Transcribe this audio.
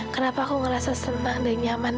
kenapa aku ngerasa senang dan nyaman